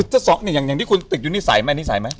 คือเจ้าซ็อกเนี่ยอย่างที่คุณติดอยู่นี่ใสไหมอันนี้ใสไหม